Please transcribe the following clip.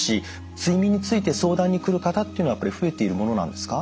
睡眠について相談に来る方っていうのは増えているものなんですか？